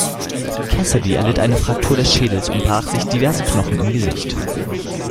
Cassidy erlitt eine Fraktur des Schädels und brach sich diverse Knochen im Gesicht.